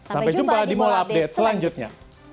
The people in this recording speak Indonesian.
sampai jumpa di mall update selanjutnya